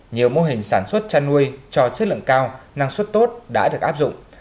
nhiều mô hình sản xuất chăn nuôi cho chất lượng cao năng suất tốt đã được áp dụng